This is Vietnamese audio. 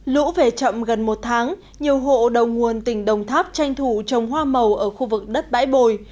lũ về chậm gần một tháng nhiều hộ đầu nguồn tỉnh đồng tháp tranh thủ trồng hoa màu ở khu vực đất bãi bồi